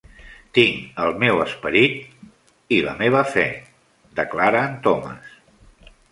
"Tinc el meu esperit...i la meva fe," declara en Thomas.